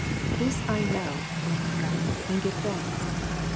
This I know, my God, and give thanks.